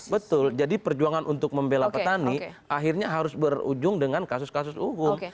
betul jadi perjuangan untuk membela petani akhirnya harus berujung dengan kasus kasus hukum